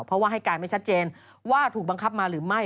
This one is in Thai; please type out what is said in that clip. เพราะว่าให้การไม่ชัดเจนว่าถูกบังคับมาหรือไม่